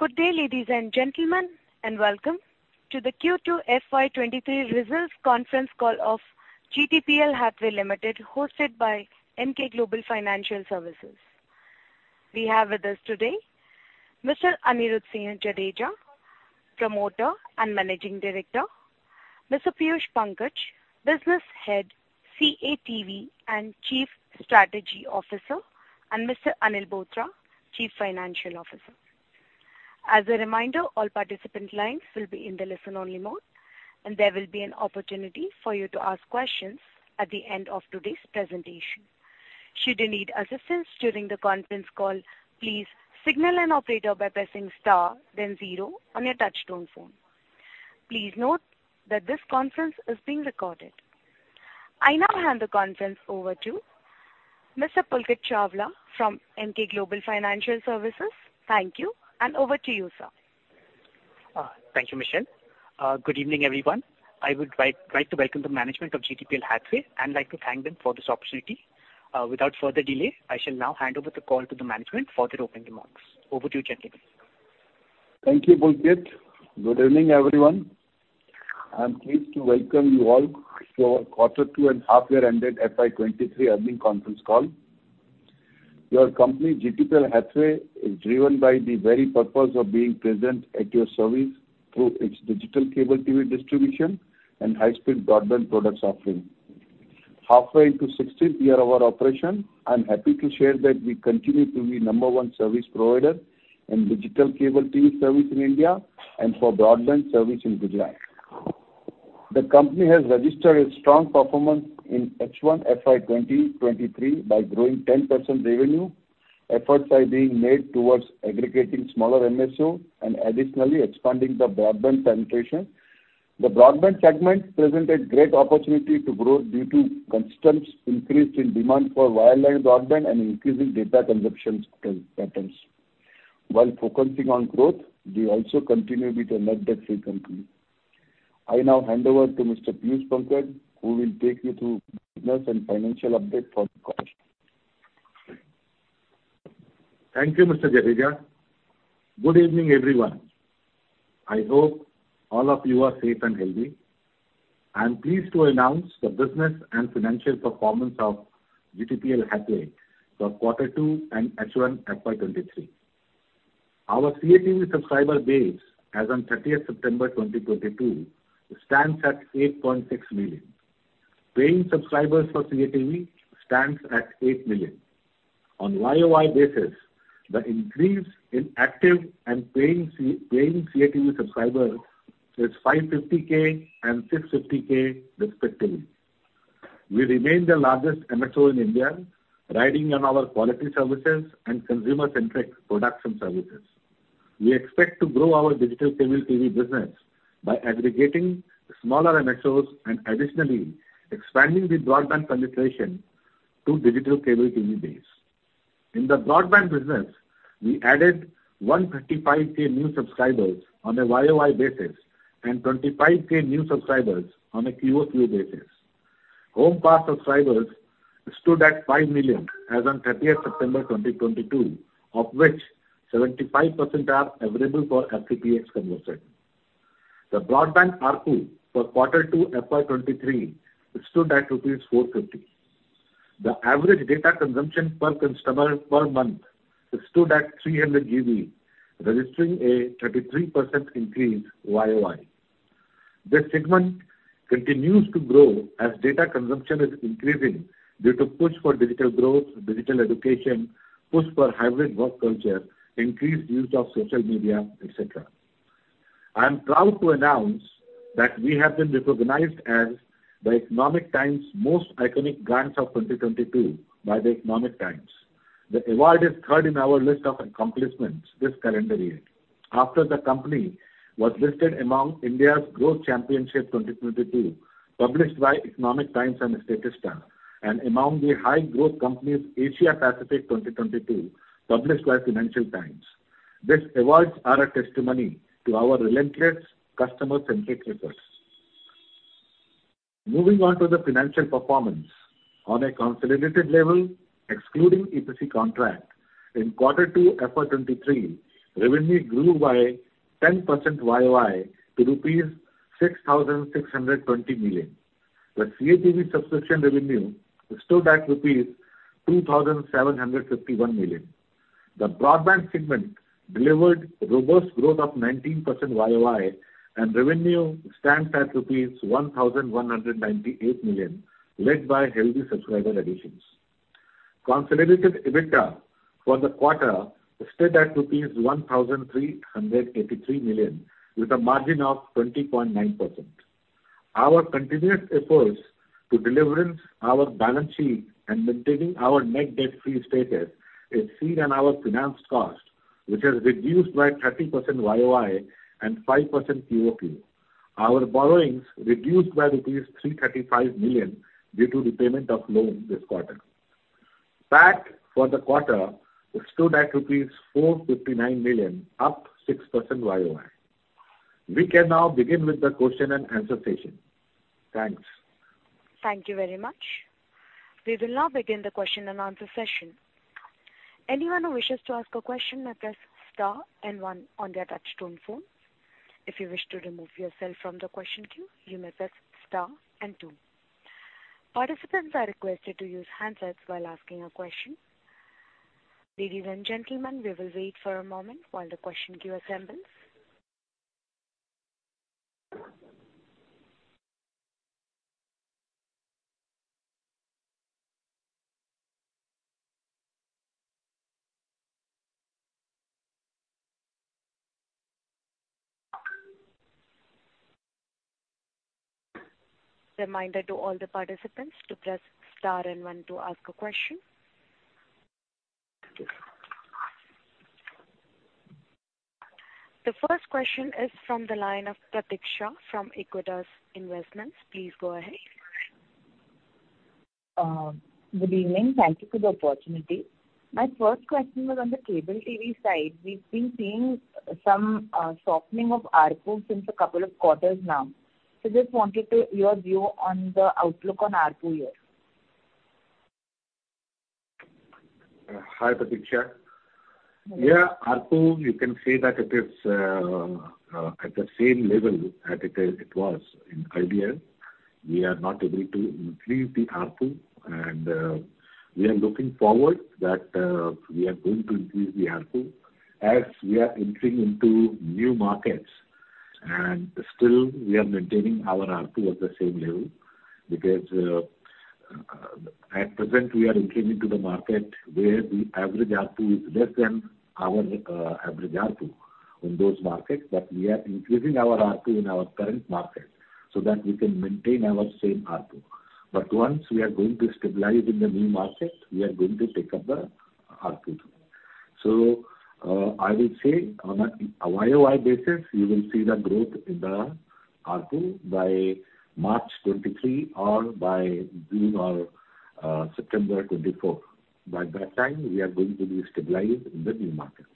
Good day, ladies and gentlemen, and welcome to the Q2 FY23 results conference call of GTPL Hathway Limited, hosted by Emkay Global Financial Services. We have with us today Mr. Anirudhasinh Jadeja, Promoter and Managing Director, Mr. Piyush Pankaj, Business Head, CATV, and Chief Strategy Officer, and Mr. Anil Bothra, Chief Financial Officer. As a reminder, all participant lines will be in the listen-only mode, and there will be an opportunity for you to ask questions at the end of today's presentation. Should you need assistance during the conference call, please signal an operator by pressing star then zero on your touchtone phone. Please note that this conference is being recorded. I now hand the conference over to Mr. Pulkit Chawla from Emkay Global Financial Services. Thank you, and over to you, sir. Thank you, Michelle. Good evening, everyone. I would like to welcome the management of GTPL Hathway and like to thank them for this opportunity. Without further delay, I shall now hand over the call to the management for their opening remarks. Over to you, gentlemen. Thank you, Pulkit. Good evening, everyone. I'm pleased to welcome you all to our quarter two and half-year ended FY 2023 earnings conference call. Your company, GTPL Hathway, is driven by the very purpose of being present at your service through its Digital Cable TV distribution and high-speed Broadband product offering. Halfway into 16th year of our operation, I'm happy to share that we continue to be number one service provider in Digital Cable TV service in India and for Broadband service in Gujarat. The company has registered a strong performance in H1 FY 2023 by growing 10% revenue. Efforts are being made towards aggregating smaller MSO and additionally expanding the Broadband penetration. The Broadband segment presented great opportunity to grow due to consistent increase in demand for wireline Broadband and increasing data consumption patterns. While focusing on growth, we also continue to be a net debt-free company. I now hand over to Mr. Piyush Pankaj, who will take you through business and financial update for the quarter. Thank you, Mr. Jadeja. Good evening, everyone. I hope all of you are safe and healthy. I am pleased to announce the business and financial performance of GTPL Hathway for quarter two and H1 FY 2023. Our CATV subscriber base as on 30th September 2022 stands at 8.6 million. Paying subscribers for CATV stands at 8 million. On YoY basis, the increase in active and paying CATV subscribers is 550,000 and 650,000 respectively. We remain the largest MSO in India, riding on our quality services and consumer-centric products and services. We expect to grow our Digital Cable TV business by aggregating smaller MSOs and additionally expanding the Broadband penetration to Digital Cable TV base. In the Broadband business, we added 135,000 new subscribers on a YoY basis and 25,000 new subscribers on a QoQ basis. Homepass subscribers stood at 5 million as on 30th September 2022, of which 75% are available for FTTH conversion. The Broadband ARPU for quarter two FY 2023 stood at rupees 450. The average data consumption per customer per month stood at 300 GB, registering a 33% increase YoY. This segment continues to grow as data consumption is increasing due to push for digital growth, digital education, push for hybrid work culture, increased use of social media, et cetera. I am proud to announce that we have been recognized as The Economic Times Most Iconic Brands of 2022 by The Economic Times. The award is third in our list of accomplishments this calendar year. After the company was listed among India's Growth Champions 2022, published by The Economic Times and Statista, and among the High-Growth Companies Asia-Pacific 2022, published by Financial Times. These awards are a testimony to our relentless customer-centric efforts. Moving on to the financial performance. On a consolidated level, excluding EPC contract, in quarter 2 FY 2023, revenue grew by 10% YoY to rupees 6,620 million. The CATV subscription revenue stood at rupees 2,751 million. The Broadband segment delivered robust growth of 19% YoY and revenue stands at rupees 1,198 million, led by healthy subscriber additions. Consolidated EBITDA for the quarter stood at rupees 1,383 million with a margin of 20.9%. Our continuous efforts to deleveraging our balance sheet and maintaining our net debt-free status is seen in our finance cost, which has reduced by 30% YoY and 5% QoQ. Our borrowings reduced by 335 million due to repayment of loans this quarter. PAT for the quarter stood at rupees 459 million, up 6% YoY. We can now begin with the question and answer session. Thanks. Thank you very much. We will now begin the question and answer session. Anyone who wishes to ask a question may press star and one on their touchtone phone. If you wish to remove yourself from the question queue, you may press star and two. Participants are requested to use handsets while asking a question. Ladies and gentlemen, we will wait for a moment while the question queue assembles. Reminder to all the participants to press star and one to ask a question. The first question is from the line of Pratiksha from Aequitas Investments. Please go ahead. Good evening. Thank you for the opportunity. My first question was on the Cable TV side. We've been seeing some softening of ARPU since a couple of quarters now. Just wanted to hear your view on the outlook on ARPU here. Hi, Pratiksha. Yeah, ARPU, you can say that it is at the same level as it was in Idea’s. We are not able to increase the ARPU and we are looking forward that we are going to increase the ARPU as we are entering into new markets. Still we are maintaining our ARPU at the same level because at present we are entering into the market where the average ARPU is less than our average ARPU in those markets. We are increasing our ARPU in our current market so that we can maintain our same ARPU. Once we are going to stabilize in the new market, we are going to take up the ARPU. I will say on a year-on-year basis, you will see the growth in the ARPU by March 2023 or by June or September 2024. By that time, we are going to be stabilized in the new markets.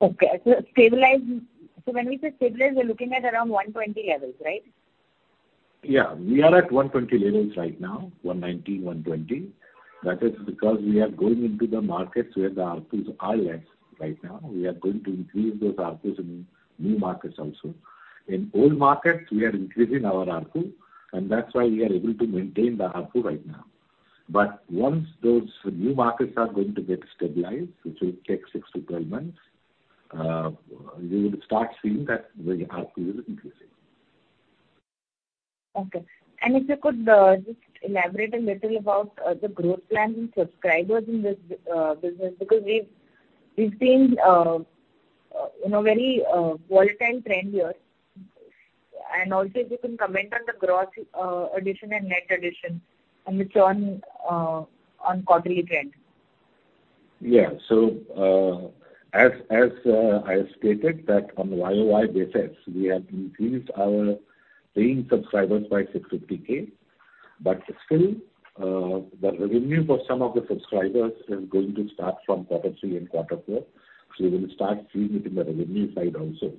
When we say stabilize, we're looking at around 120 levels, right? We are at 120 levels right now, 190, 120. That is because we are going into the markets where the ARPUs are less right now. We are going to increase those ARPUs in new markets also. In old markets, we are increasing our ARPU, and that's why we are able to maintain the ARPU right now. Once those new markets are going to get stabilized, which will take 6-12 months, we will start seeing that the ARPU is increasing. Okay. If you could just elaborate a little about the growth plan in subscribers in this business, because we've seen you know very volatile trend here. Also if you can comment on the gross addition and net addition and its own quarterly trend. Yeah. As I have stated that on a year-over-year basis we have increased our paying subscribers by 650,000. Still, the revenue for some of the subscribers is going to start from quarter three and quarter four. We will start seeing it in the revenue side also,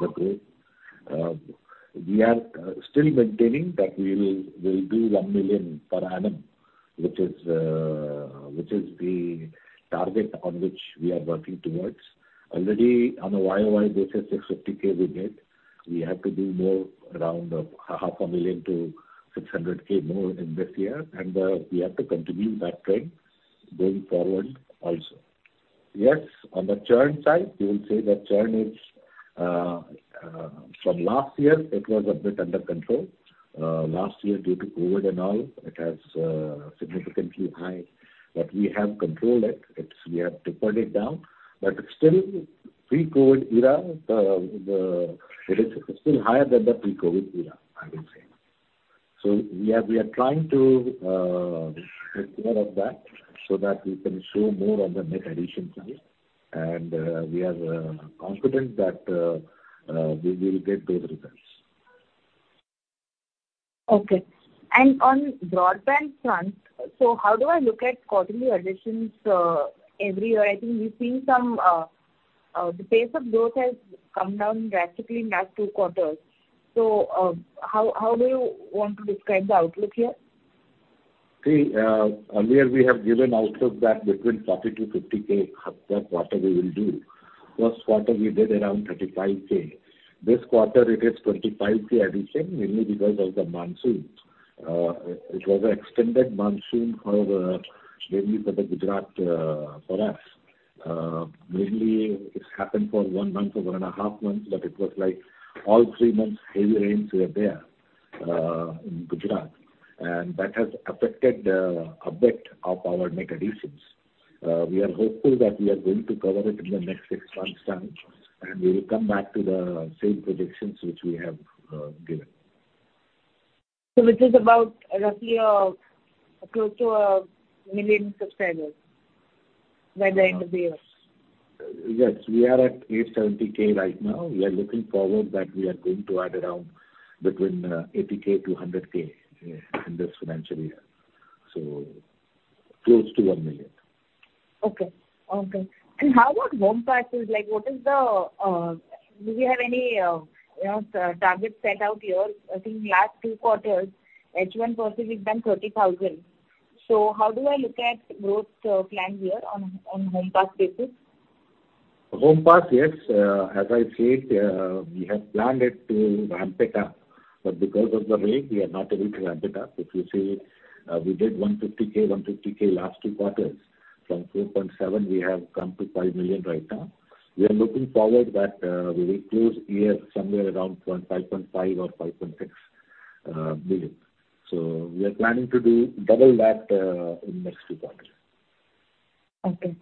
the growth. We are still maintaining that we'll do 1 million per annum, which is the target on which we are working towards. Already on a year-over-year basis, 650k we get. We have to do more around 500,000 to 600,000 more in this year, and we have to continue that trend going forward also. Yes, on the churn side, we will say that churn is from last year it was a bit under control. Last year due to COVID and all, it has significantly high. We have controlled it. We have to put it down. Still pre-COVID era, the it is still higher than the pre-COVID era, I will say. We are trying to take care of that so that we can show more on the net addition side. We are confident that we will get those results. Okay. On Broadband front, how do I look at quarterly additions? Every year I think we've seen the pace of growth has come down drastically in last two quarters. How do you want to describe the outlook here? See, earlier we have given outlook that between 4,0000 to 50,000 per quarter we will do. First quarter we did around 35,000. This quarter it is 25,000 addition, mainly because of the monsoon. It was a extended monsoon for, mainly for the Gujarat, for us. Mainly it's happened for one month or one and a half month, but it was like all three months heavy rains were there, in Gujarat. That has affected a bit of our net additions. We are hopeful that we are going to cover it in the next six months' time, and we will come back to the same predictions which we have, given. This is about roughly close to 1 million subscribers by the end of the year. Yes. We are at 870,000 right now. We are looking forward that we are going to add around between 80,000 to 100,000 in this financial year. Close to 1 million. Okay. How about homepass? Like, what is the do we have any you know targets set out here? I think last two quarters, H1 possibly done 30,000. How do I look at growth plan here on homepass basis? Homepass, yes. As I said, we have planned it to ramp it up, but because of the rain, we are not able to ramp it up. If you see, we did 150,000 last two quarters. From 2.7, we have come to 5 million right now. We are looking forward that we will close year somewhere around 5.5 or 5.6 million. We are planning to do double that in next two quarters. Okay,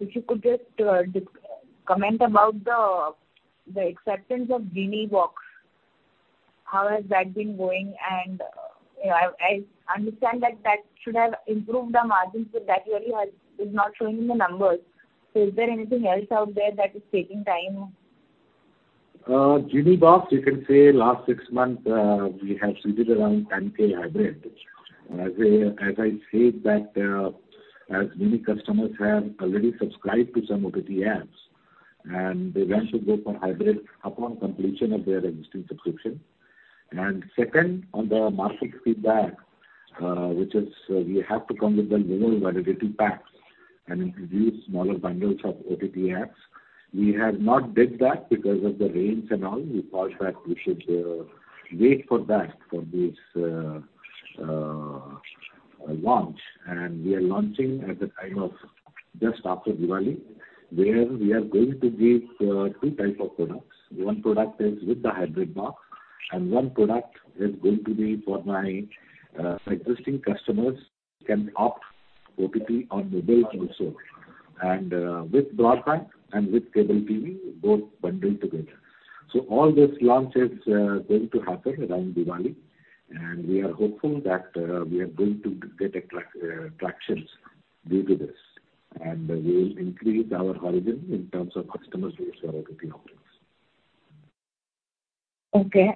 if you could just comment about the acceptance of GTPL Genie. How has that been going? You know, I understand that that should have improved the margins, but that really is not showing in the numbers. Is there anything else out there that is taking time? GTPL Genie, you can say last six months, we have switched around 10,000 hybrid. As I said that, many customers have already subscribed to some OTT apps, and they want to go for hybrid upon completion of their existing subscription. Second, on the market feedback, which is, we have to come with the minimal validity packs and introduce smaller bundles of OTT apps. We have not did that because of the rains and all. We thought that we should wait for that for this launch. We are launching at the time of just after Diwali, where we are going to give two type of products. One product is with the hybrid box, and one product is going to be for my existing customers can opt OTT on mobile also. With Broadband and with Cable TV, both bundled together. All this launch is going to happen around Diwali, and we are hopeful that we are going to get traction due to this. We will increase our horizon in terms of customers who use OTT offerings. Okay.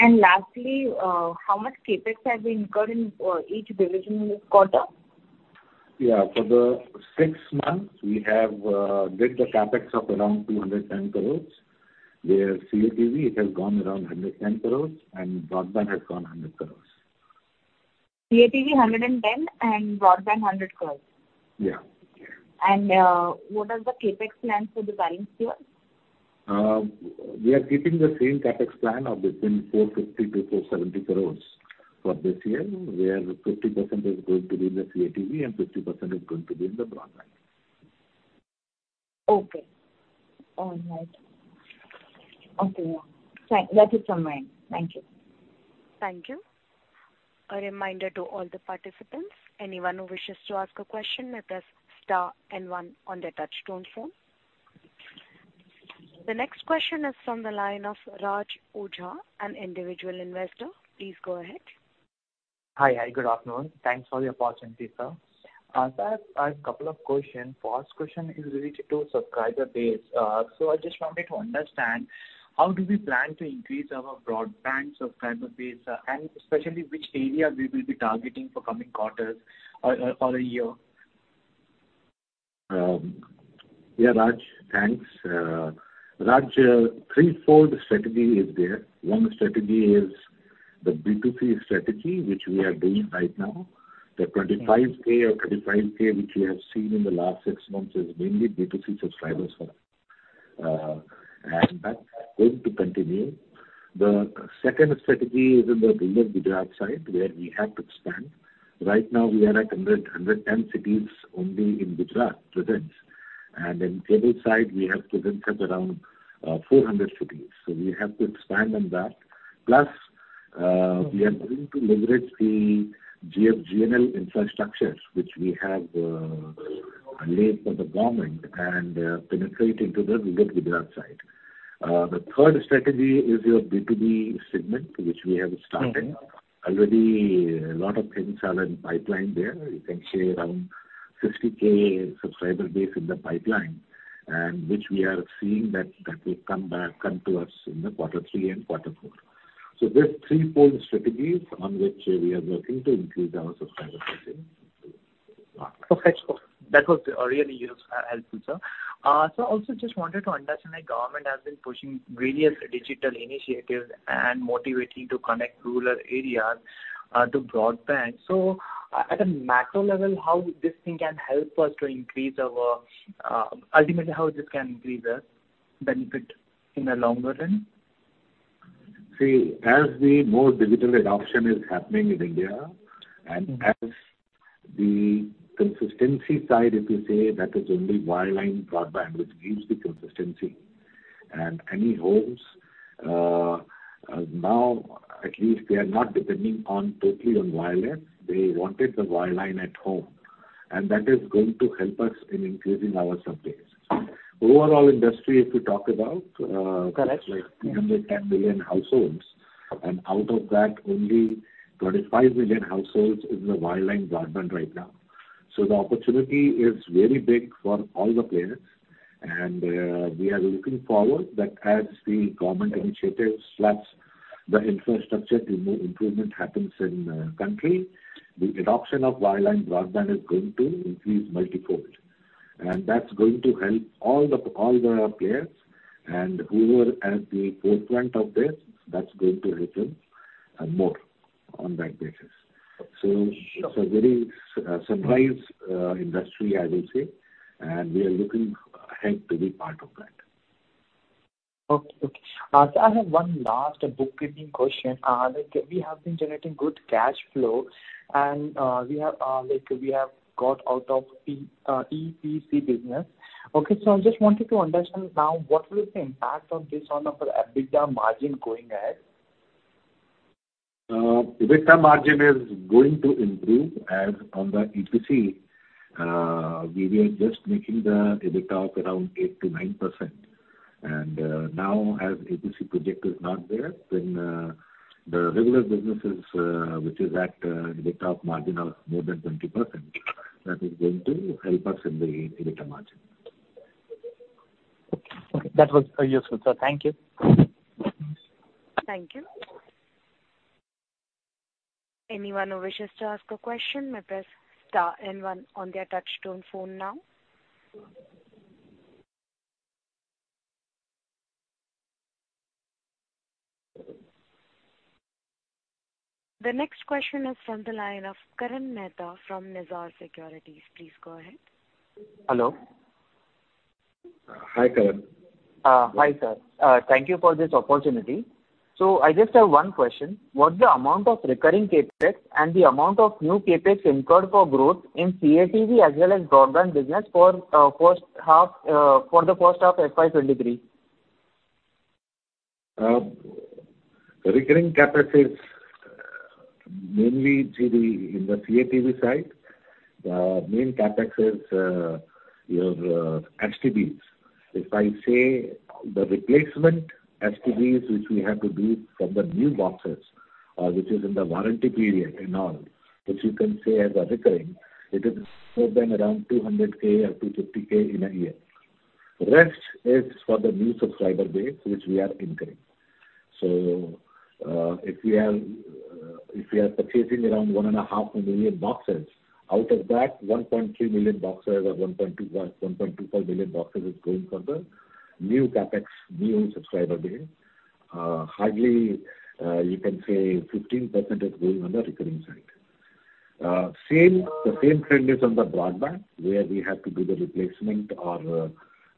Lastly, how much CapEx have we incurred in each division this quarter? Yeah. For the six months, we have did the CapEx of around ₹ 210 crore, where CATV, it has gone around ₹ 110 crore, and Broadband has gone ₹ 100 crores. CATV ₹ 10 crore and Broadband ₹ 100 crore. Yeah. What are the CapEx plans for the balance year? We are keeping the same CapEx plan of between ₹ 450 crore-₹ 470 crore for this year, where 50% is going to be in the CATV and 50% is going to be in the Broadband. Okay. All right. Okay. Yeah. That is from my end. Thank you. Thank you. A reminder to all the participants, anyone who wishes to ask a question may press star and one on their touchtone phone. The next question is from the line of Raj Ojha, an Individual Investor. Please go ahead. Hi. Good afternoon. Thanks for your patience, sir. Sir, I have couple of questions. First question is related to subscriber base. I just wanted to understand how do we plan to increase our Broadband subscriber base, and especially which area we will be targeting for coming quarters or a year? Raj. Thanks. Raj, three-fold strategy is there. One strategy is the B2C strategy, which we are doing right now. Okay. The 25,000 or 35,000 which you have seen in the last six months is mainly B2C subscribers for us. That's going to continue. The second strategy is in the rural Gujarat side where we have to expand. Right now we are at 110 cities only in Gujarat province. In Cable side we have presence at around 400 cities. We have to expand on that. Plus, we are going to leverage the GFGNL infrastructures which we have laid for the government and penetrate into the rural Gujarat side. The third strategy is your B2B segment, which we have started. Mm-hmm. Already a lot of things are in pipeline there. You can say around 60,000 subscriber base in the pipeline, and which we are seeing that that will come to us in the quarter three and quarter four. There are threefold strategies on which we are working to increase our subscriber base in rural parts. Okay. That was really helpful, sir. Sir, also just wanted to understand, like government has been pushing various digital initiatives and motivating to connect rural areas to Broadband. At a macro level, how this thing can help us. Ultimately, how this can increase the benefit in the longer term? See, as more digital adoption is happening in India. Mm-hmm. As the consistency side, if you say that is only wireline Broadband, which gives the consistency. Any homes, now at least they are not depending on totally on wireless. They wanted the wireline at home, and that is going to help us in increasing our subbase. Overall industry, if you talk about. Correct. Yeah. Like 310 million households. Okay. Out of that, only 25 million households is in the wireline Broadband right now. The opportunity is very big for all the players. We are looking forward that as the government initiatives, the infrastructure improvement happens in the country, the adoption of wireline Broadband is going to increase multi-fold. That's going to help all the players and whoever has the footprint of this, that's going to help them more on that basis. It's a very sunrise industry, I will say, and we are looking ahead to be part of that. Okay. Sir, I have one last bookkeeping question. Like, we have been generating good cash flow and, like, we have got out of EPC business. Okay. I just wanted to understand now what will be the impact of this on our EBITDA margin going ahead? EBITDA margin is going to improve as on the EPC. We were just making the EBITDA of around 8%-9%. Now as EPC project is not there, then, the regular businesses, which is at EBITDA margin of more than 20%, that is going to help us in the EBITDA margin. Okay. That was useful, sir. Thank you. Thank you. Anyone who wishes to ask a question may press star and one on their touch-tone phone now. The next question is from the line of Karan Mehta from Nirzar Securities. Please go ahead. Hello. Hi, Karan. Hi, sir. Thank you for this opportunity. I just have one question. What's the amount of recurring CapEx and the amount of new CapEx incurred for growth in CATV as well as Broadband business for the first half FY 2023? Recurring CapEx is mainly in the CATV side. The main CapEx is your STBs. If I say the replacement STBs which we have to do from the new boxes, which is in the warranty period and all, which you can say as a recurring, it is more than around 200,000 or 250,000 in a year. Rest is for the new subscriber base, which we are incurring. If we are purchasing around 1.5 million boxes, out of that, 1.3 million boxes or 1.2, 1.25 million boxes is going for the new CapEx, new subscriber base. Hardly, you can say 15% is going on the recurring side. The same trend is on the Broadband, where we have to do the replacement of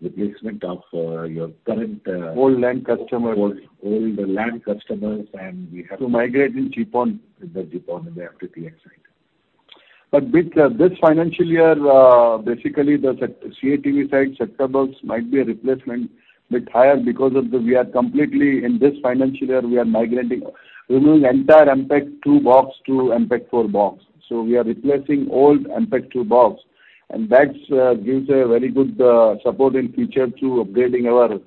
your current. Old LAN customers. Old LAN customers, and we have to migrate to GPON. In the GPON, they have to be excited. With this financial year, basically the CATV side set-top box might be a replacement bit higher because we are completely in this financial year migrating, removing entire MPEG-2 box to MPEG-4 box. So we are replacing old MPEG-2 box, and that's gives a very good support in future to upgrading our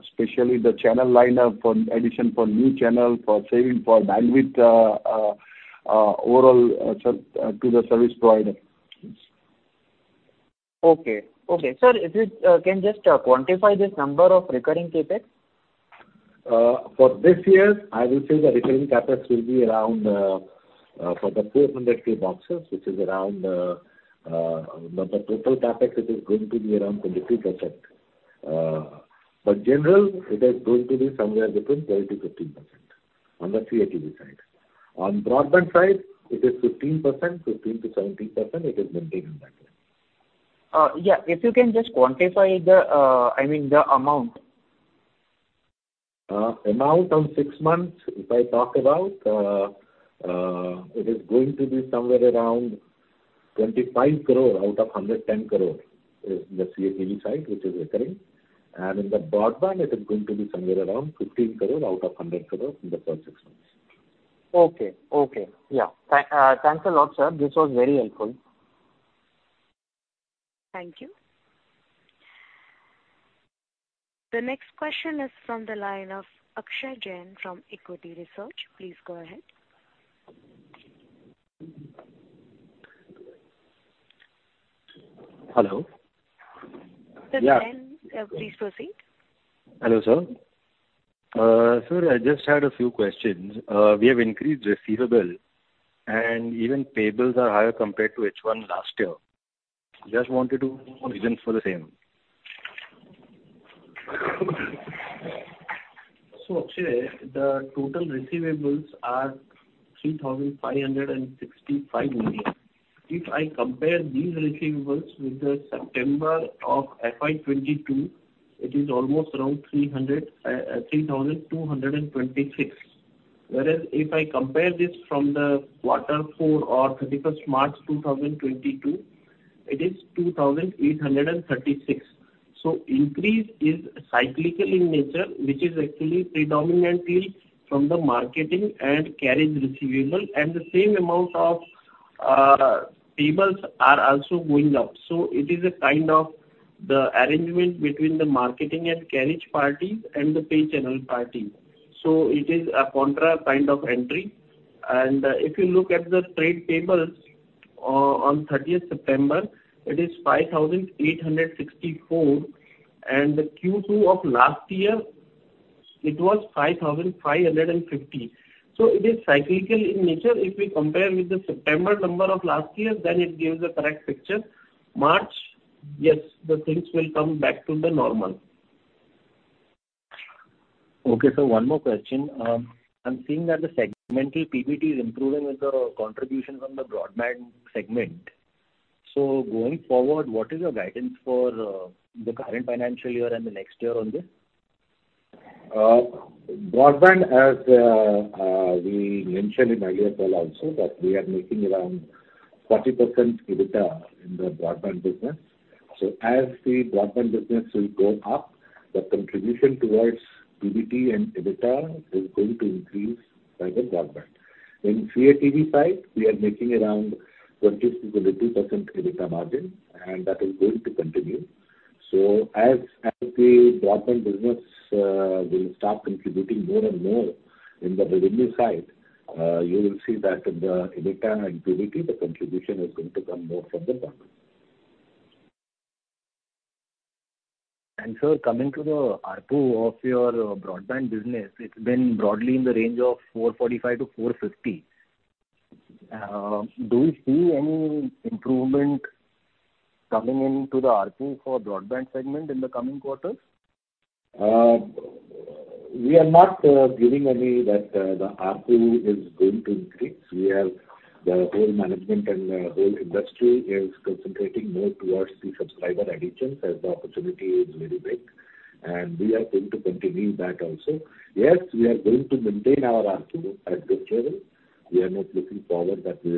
especially the channel lineup for addition for new channel, for saving for bandwidth, overall service to the service provider. Yes. Okay. Sir, if you can just quantify this number of recurring CapEx? For this year, I will say the recurring CapEx will be around for the 400K boxes, which is around the total CapEx, it is going to be around 22%. Generally, it is going to be somewhere between 12%-15% on the CATV side. On Broadband side, it is 15%. 15%-17%, it is maintained in that way. Yeah. If you can just quantify the, I mean, the amount. Amount on six months, if I talk about, it is going to be somewhere around ₹ 25 crore out of ₹ 110 crore is the CATV side, which is recurring. In the Broadband, it is going to be somewhere around ₹ 15 crore out of ₹ 100 crore in the first six months. Okay. Yeah. Thanks a lot, sir. This was very helpful. Thank you. The next question is from the line of Akshay Jain from Equity Research. Please go ahead. Hello. Mr. Jain Yeah. Please proceed. Hello, sir. Sir, I just had a few questions. We have increased receivables and even payables are higher compared to H1 last year. Just wanted to know reasons for the same. Akshay, the total receivables are 3,565 million. If I compare these receivables with the September of FY 2022, it is almost around 3,226. Whereas if I compare this from the quarter four or 31st March 2022, it is 2,836. Increase is cyclical in nature, which is actually predominantly from the marketing and carriage receivable, and the same amount of payables are also going up. It is a kind of the arrangement between the marketing and carriage parties and the paid channel parties. It is a contra kind of entry. If you look at the trade payables on 30th September, it is 5,864 million, and the Q2 of last year, it was 5,550 million. It is cyclical in nature. If we compare with the September number of last year, then it gives the correct picture. March, yes, the things will come back to the normal. Okay, sir, one more question. I'm seeing that the segmental PBT is improving with the contributions on the Broadband segment. Going forward, what is your guidance for the current financial year and the next year on this? Broadband, as we mentioned in earlier call also that we are making around 40% EBITDA in the Broadband business. As the Broadband business will go up, the contribution towards PBT and EBITDA is going to increase by the Broadband. In free to air TV side, we are making around 30%-32% EBITDA margin, and that is going to continue. As the Broadband business will start contributing more and more in the revenue side, you will see that in the EBITDA and PBT, the contribution is going to come more from the Broadband. Sir, coming to the ARPU of your Broadband business, it's been broadly in the range of 445-450. Do you see any improvement coming into the ARPU for Broadband segment in the coming quarters? We are not giving any that the ARPU is going to increase. We have the whole management and the whole industry is concentrating more towards the subscriber additions, as the opportunity is very big, and we are going to continue that also. Yes, we are going to maintain our ARPU at good level. We are not looking forward that we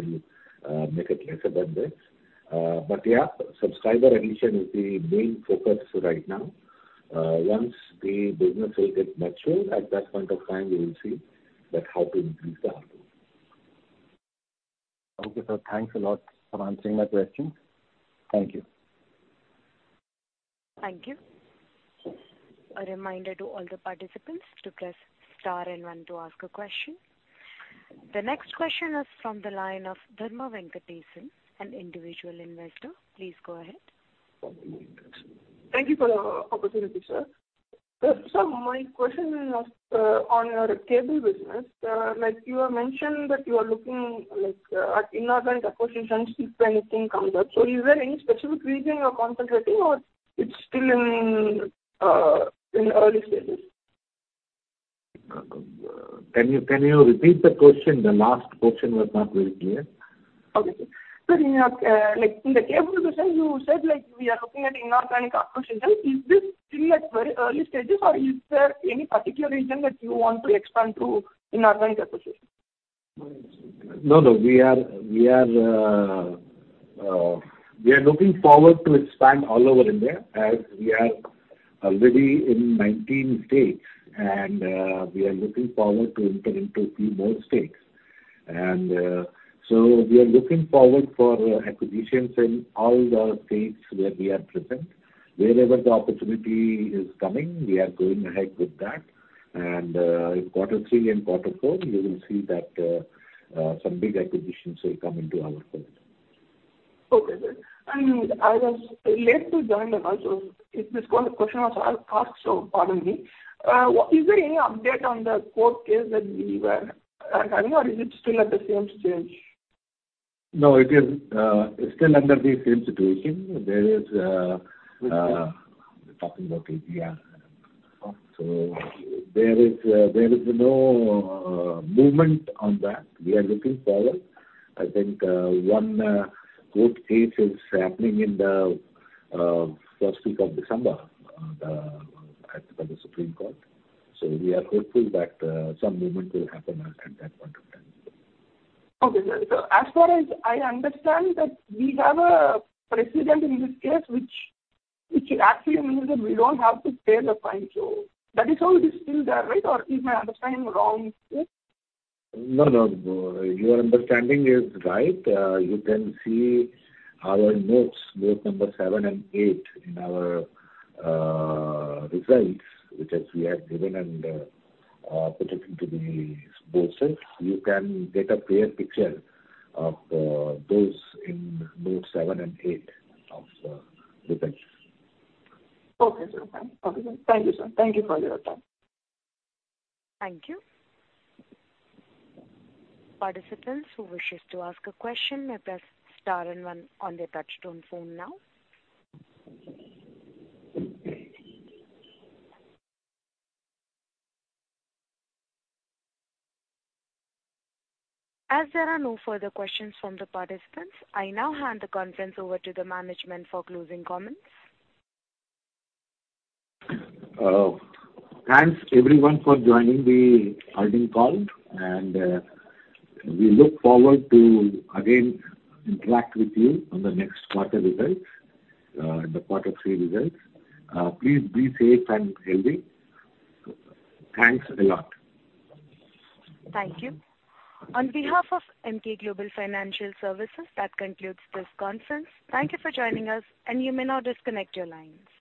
will make it lesser than this. Yeah, subscriber addition is the main focus right now. Once the business will get mature, at that point of time, we will see that how to increase the ARPU. Okay, sir. Thanks a lot for answering my question. Thank you. Thank you. A reminder to all the participants to press star and one to ask a question. The next question is from the line of Dharma Venkatesan, an Individual Investor. Please go ahead. Thank you for the opportunity, sir. My question is on your Cable business. Like you have mentioned that you are looking at inorganic acquisitions if anything comes up. Is there any specific region you are concentrating or it's still in early stages? Can you repeat the question? The last portion was not very clear. Okay. Sir, in your, like, in the Cable business, you said like we are looking at inorganic acquisitions. Is this still at very early stages, or is there any particular region that you want to expand to inorganic acquisitions? No, no. We are looking forward to expand all over India, as we are already in 19 states and we are looking forward to enter into a few more states. We are looking forward for acquisitions in all the states where we are present. Wherever the opportunity is coming, we are going ahead with that. In quarter three and quarter four, you will see that some big acquisitions will come into our fold. Okay, sir. I was late to join the call, so if this question was asked, so pardon me. Is there any update on the court case that we were having, or is it still at the same stage? No, it is still under the same situation. There is Which case? We're talking about ADA. There is no movement on that. We are looking forward. I think one court case is happening in the first week of December at the Supreme Court. We are hopeful that some movement will happen at that point of time. Okay, sir. As far as I understand that we have a precedent in this case which actually means that we don't have to pay the fine. That is how it is still there, right? Is my understanding wrong, sir? No, no. Your understanding is right. You can see our notes, note number seven and eight in our results, which as we have given and put it into the notes. You can get a clear picture of those in note seven and eight of the results. Okay, sir. Okay, sir. Thank you, sir. Thank you for your time. Thank you. Participants who wish to ask a question may press star and one on their touchtone phone now. As there are no further questions from the participants, I now hand the conference over to the management for closing comments. Thanks everyone for joining the earnings call, and we look forward to again interact with you on the next quarter results, the quarter three results. Please be safe and healthy. Thanks a lot. Thank you. On behalf of Emkay Global Financial Services, that concludes this conference. Thank you for joining us, and you may now disconnect your lines.